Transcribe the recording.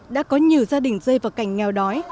đã có nhiều gia đình rơi vào cảnh nghèo đói